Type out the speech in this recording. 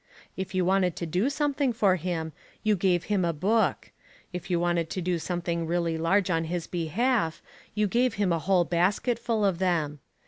If you wanted to do something for him you gave him a book: if you wanted to do something really large on his behalf you gave him a whole basketful of them.